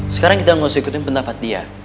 sekarang kita nggak usah ikutin pendapat dia